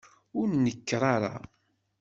Ur nekker ara!